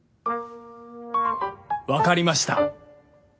わかりました。